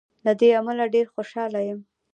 له دې امله ډېر خوشاله یم.